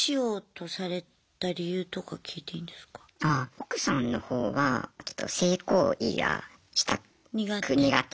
奥さんの方はちょっと性行為がしたく苦手。